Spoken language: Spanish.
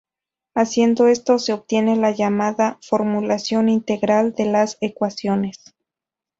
Haciendo esto se obtiene la llamada "formulación integral" de las ecuaciones.